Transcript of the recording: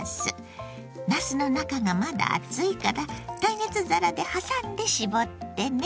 なすの中がまだ熱いから耐熱皿で挟んで絞ってね。